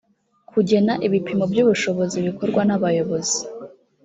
kugena ibipimo by ubushobozi bikorwa nabayobozi